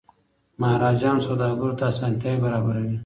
مهاراجا هم سوداګرو ته اسانتیاوي برابروي.